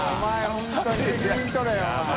本当に責任取れよお前。